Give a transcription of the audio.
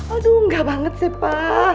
aduh enggak banget sih pak